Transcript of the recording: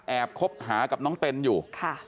คบหากับน้องเต้นอยู่